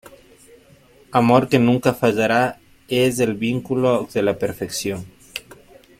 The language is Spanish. Amor que nunca fallará, es el vínculo de la perfección.